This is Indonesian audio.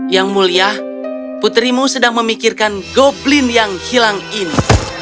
yang mulia putrimu sedang memikirkan goblin yang hilang ini